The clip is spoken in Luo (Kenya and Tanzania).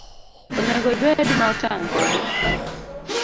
Onego ibed ma otang' kode